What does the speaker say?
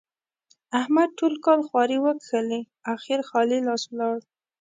احمد ټول کال خواري وکښلې؛ اخېر خالي لاس ولاړ.